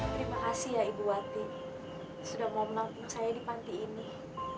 terima kasih ya ibu wati sudah mau menampung saya di panti ini